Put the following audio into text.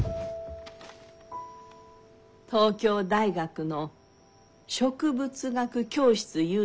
東京大学の植物学教室ゆう